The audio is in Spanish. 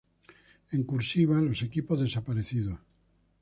En "Cursiva" los equipos desaparecidos.